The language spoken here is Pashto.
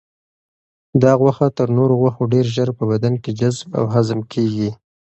دا غوښه تر نورو غوښو ډېر ژر په بدن کې جذب او هضم کیږي.